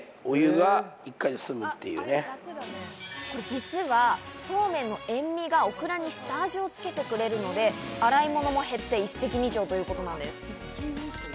実は、そうめんの塩味がオクラに下味をつけてくれるので洗い物も減って、一石二鳥ということなんです。